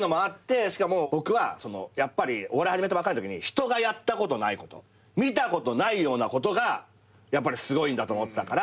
しかも僕はやっぱりお笑い始めたばっかりのときに人がやったことないこと見たことないようなことがやっぱりすごいんだと思ってたから。